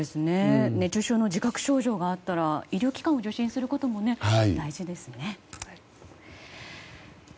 熱中症の自覚症状があったら医療機関を受診することも大事ですね。